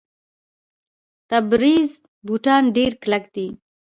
د تبریز بوټان ډیر کلک دي.